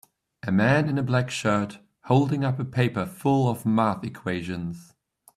A man in a black shirt, holding up a paper full of math equations.